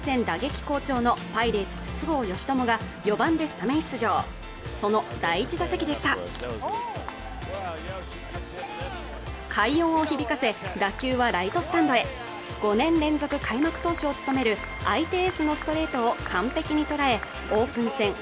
打撃好調のパイレーツ筒香嘉智が４番でスタメン出場その第１打席でした快音を響かせ打球はライトスタンドへ５年連続開幕投手を務める相手エースのストレートを完璧にとらえオープン戦